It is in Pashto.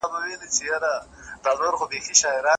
تاسي یې وګوری چي له هغه څخه څه راباسی.